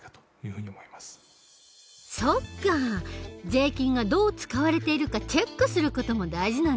税金がどう使われているかチェックする事も大事なんだね。